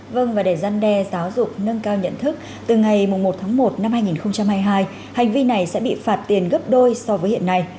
vâng và để gian đe giáo dục nâng cao nhận thức từ ngày một tháng một năm hai nghìn hai mươi hai hành vi này sẽ bị phạt tiền gấp đôi so với hiện nay